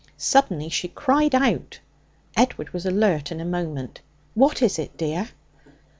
Suddenly she cried out. Edward was alert in a moment. 'What is it, dear?'